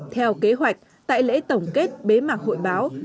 theo kế hoạch tại lễ tổng kết bế mạc hội báo